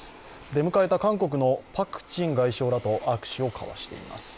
出迎えた韓国のパク・チン外相らと握手をしています。